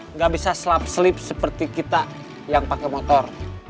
enggak bisa slap slip seperti kita yang pake motor